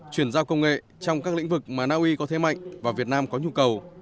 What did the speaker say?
chuyển giao công nghệ trong các lĩnh vực mà naui có thế mạnh và việt nam có nhu cầu